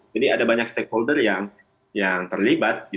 jadi ada banyak stakeholder yang terlibat